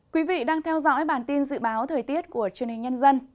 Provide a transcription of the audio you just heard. quý vị đang theo dõi bản tin dự báo thời tiết của truyền hình nhân dân